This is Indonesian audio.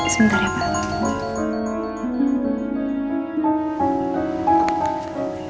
sebentar ya pak